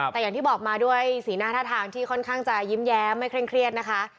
แต่อย่างที่บอกมาด้วยสีหน้าท่าทางที่ค่อนข้างจะยิ้มแย้มไม่เคร่งเครียดนะคะ